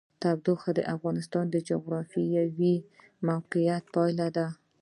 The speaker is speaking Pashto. تودوخه د افغانستان د جغرافیایي موقیعت پایله ده.